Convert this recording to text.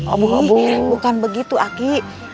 aduh bukan begitu aku